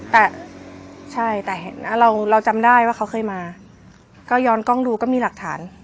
แต่ใช่แต่เห็นนะเราเราจำได้ว่าเขาเคยมาก็ย้อนกล้องดูก็มีหลักฐาน